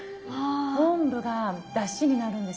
昆布がだしになるんですよ。